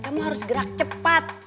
kamu harus gerak cepat